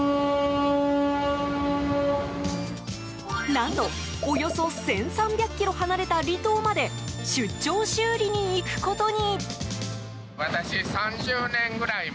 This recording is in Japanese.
何とおよそ１３００ｋｍ離れた離島まで出張修理に行くことに。